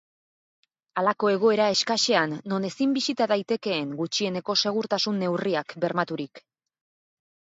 Halako egoera eskasean, non ezin bisita daitekeen gutxieneko segurtasun-neurriak bermaturik.